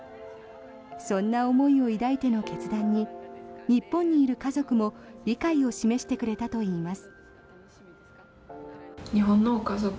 そんな思いを抱いての決断に日本にいる家族も理解を示してくれたといいます。